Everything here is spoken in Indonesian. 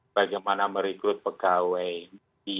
bagaimana merekrut pegawai pimpinan kemudian pola karirnya